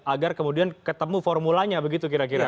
agar kemudian ketemu formulanya begitu kira kira